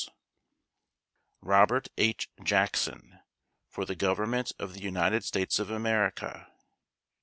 /s/ ROBERT H. JACKSON For the Government of the United States of America.